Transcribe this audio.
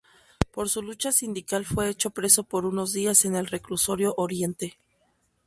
Por su lucha sindical fue hecho preso por unos días en el Reclusorio Oriente.